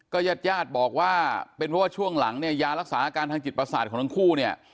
ญาติญาติบอกว่าเป็นเพราะว่าช่วงหลังเนี่ยยารักษาอาการทางจิตประสาทของทั้งคู่เนี่ย